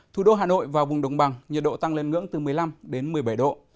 thủ đô hà nội và vùng đồng bằng nhiệt độ tăng lên ngưỡng từ một mươi năm đến một mươi bảy độ